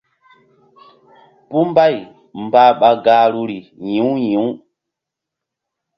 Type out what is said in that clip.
Puh mbay mbah ɓa gahruri yi̧w yi̧w.